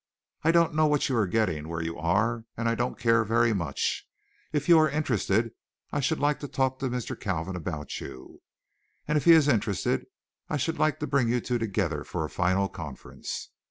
I don't know what you are getting where you are, and I don't care very much. If you are interested I should like to talk to Mr. Kalvin about you, and if he is interested I should like to bring you two together for a final conference.